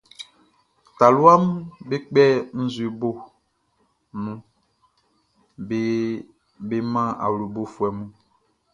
Taluaʼm be kpɛ nzue gboʼn nun be man awlobofuɛ mun.